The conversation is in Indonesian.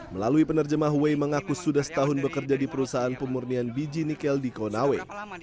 melalui penerjemah way mengaku sudah setahun bekerja di perusahaan pemurnian biji nikel di konawe